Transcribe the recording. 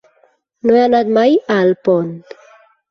No he anat mai a Alpont.